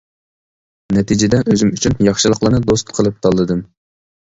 نەتىجىدە ئۆزۈم ئۈچۈن ياخشىلىقلارنى دوست قىلىپ تاللىدىم.